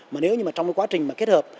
mà nếu như mà trong cái quá trình mà kết hợp